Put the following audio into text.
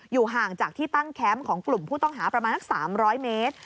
ห่างจากที่ตั้งแคมป์ของกลุ่มผู้ต้องหาประมาณสัก๓๐๐เมตร